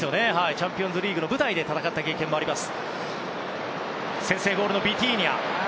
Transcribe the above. チャンピオンズリーグの舞台で戦った経験もあります。